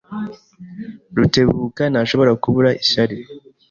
Rutebuka ntashobora kubura ishyari.